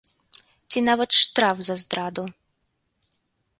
Ці нават штраф за здраду!